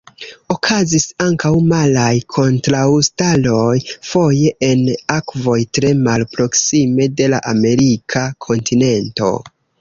Okazis ankaŭ maraj kontraŭstaroj, foje en akvoj tre malproksime de la amerika kontinento.